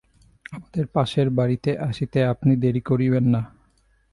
আমাদের পাশের বাড়িতে আসিতে আপনি দেরি করিবেন না।